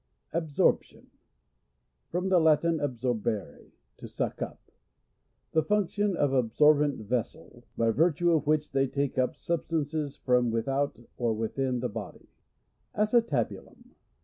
Absorption. — From the Latin, absor here, to suck up. The function of absorbent vessels, by virtue of which they take up substances from with out or within the bo I v. Acetabulum.